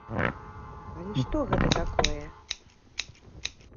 Але што гэта такое?